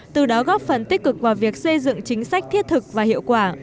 từ đó góp phần tích cực vào việc xây dựng chính sách thiết thực và hiệu quả